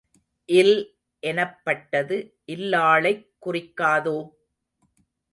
இல் எனப்பட்டது இல்லாளைக் குறிக்காதோ?